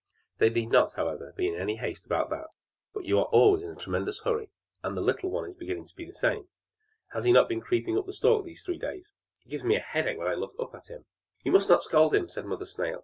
There need not, however, be any haste about that; but you are always in such a tremendous hurry, and the little one is beginning to be the same. Has he not been creeping up that stalk these three days? It gives me a headache when I look up to him!" "You must not scold him," said Mother Snail.